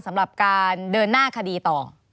สำหรับการเดินหน้าคดีต่อ